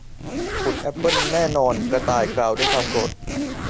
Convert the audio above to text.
ขุดแอปเปิลแน่นอน กระต่ายกล่าวด้วยความโกรธ